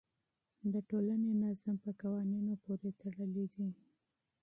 د ټولنې نظم په قوانینو پورې تړلی دی.